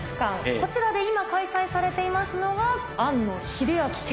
こちらで今開催されていますのが「庵野秀明展」。